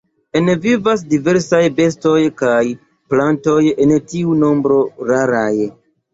En vivas diversaj bestoj kaj plantoj, en tiu nombro raraj.